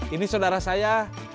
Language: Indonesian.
ini saudara saya